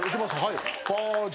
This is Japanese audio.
はい。